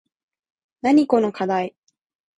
なにこのかだい